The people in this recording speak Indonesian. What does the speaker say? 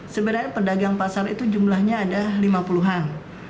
sebenarnya pedagang pasar itu jumlahnya ada lima puluhan